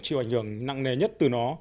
chịu ảnh hưởng nặng nề nhất từ nó